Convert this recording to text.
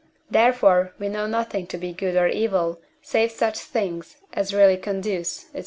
Therefore we know nothing to be good or evil save such things as really conduce, &c.